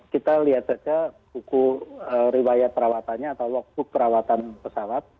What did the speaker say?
kita lihat saja buku riwayat perawatannya atau logbook perawatan pesawat